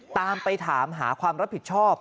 ตามไปถามหาความรับผิดชอบ